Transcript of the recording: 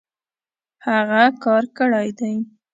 هغۀ کار کړی دی